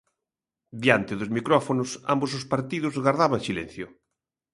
Diante dos micrófonos, ambos os partidos gardaban silencio.